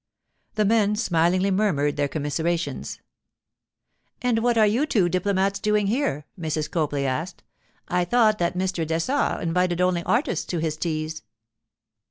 The men smilingly murmured their commiserations. 'And what are you two diplomats doing here?' Mrs. Copley asked. 'I thought that Mr. Dessart invited only artists to his teas.